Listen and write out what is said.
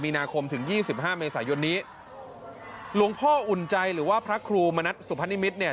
มีนาคมถึง๒๕เมษายนลุงพ่ออุ่นใจหรือว่าพระครูมนัฐสุพธนิมิตรเนี่ย